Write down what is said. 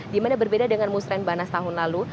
dimana berbeda dengan musrembangnas tahun lalu